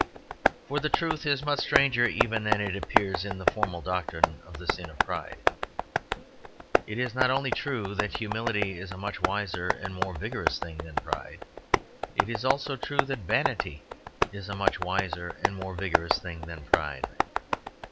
For the truth is much stranger even than it appears in the formal doctrine of the sin of pride. It is not only true that humility is a much wiser and more vigorous thing than pride. It is also true that vanity is a much wiser and more vigorous thing than pride.